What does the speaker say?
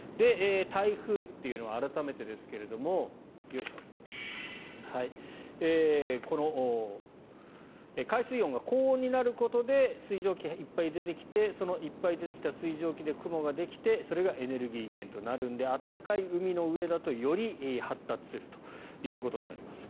台風というのは改めてですがこの海水温が高温になることで水蒸気がいっぱい出てきてそのいっぱい出てきた水蒸気で雲が出てきてそれがエネルギー源となるので暖かい海の上だとより発達するということになります。